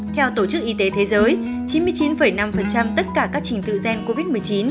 theo tổ chức y tế thế giới chín mươi chín năm tất cả các trình tự gen covid một mươi chín